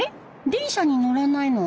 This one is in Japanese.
電車に乗らないの？